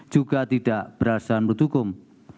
juga tidak berlasan berdukung